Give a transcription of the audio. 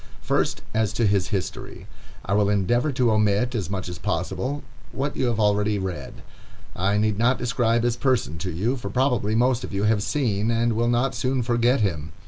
First, as to his history. I will endeavor to omit, as much as possible, what you have already read. I need not describe his person to you, for probably most of you have seen and will not soon forget him.